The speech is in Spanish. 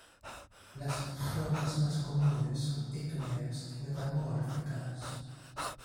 Las rocas más comunes son ígneas y metamórficas.